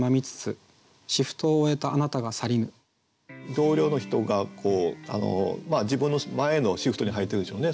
同僚の人が自分の前のシフトに入ってるんでしょうね。